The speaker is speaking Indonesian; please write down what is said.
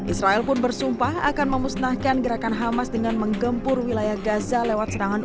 israel pun bersumpah akan memusnahkan gerakan hamas dengan menggempur wilayah gaza lewat serangan